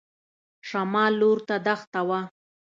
شمال لور ته دښته وه.